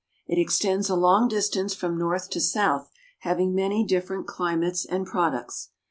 It extends a long distance from north to south, having many different climates and products.